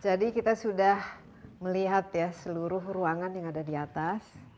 jadi kita sudah melihat ya seluruh ruangan yang ada di atas